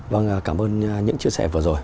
vâng cảm ơn những chia sẻ vừa rồi